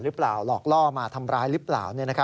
หรือเปล่าหลอกล่อมาทำร้ายหรือเปล่า